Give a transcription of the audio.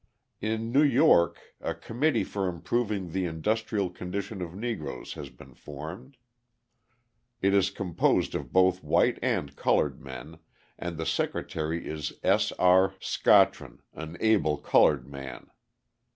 In New York a "Committee for Improving the Industrial Condition of Negroes" has been formed. It is composed of both white and coloured men, and the secretary is S. R. Scottron, an able coloured man.